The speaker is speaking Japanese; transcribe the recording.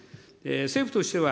政府としては、